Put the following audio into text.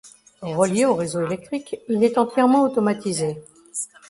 Relié au réseau électrique il est entièrement automatisé.